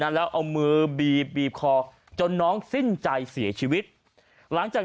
แล้วเอามือบีบีบคอจนน้องสิ้นใจเสียชีวิตหลังจาก